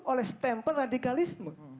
oleh stempel radikalisme